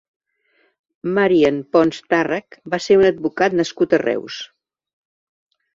Marian Pons Tàrrech va ser un advocat nascut a Reus.